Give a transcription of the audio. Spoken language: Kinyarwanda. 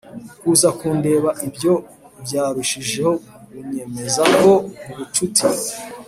kuza kundeba Ibyo byarushijeho kunyemeza ko ubucuti